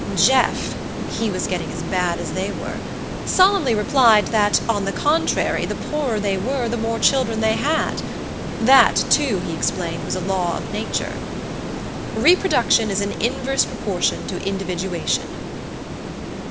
Jeff he was getting as bad as they were solemnly replied that, on the contrary, the poorer they were, the more children they had. That too, he explained, was a law of nature: "Reproduction is in inverse proportion to individuation."